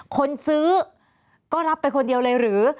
คนซื้อก็รับไปคนเดียวเลยหรือ